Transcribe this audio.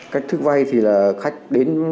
cách thức vai thì là khách đến